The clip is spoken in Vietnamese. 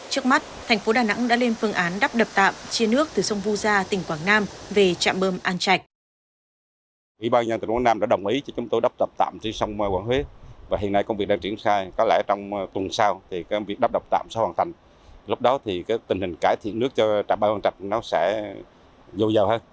trước mắt thành phố đà nẵng đã lên phương án đắp đập tạm chia nước từ sông vu gia tỉnh quảng nam về trạm bơm an trạch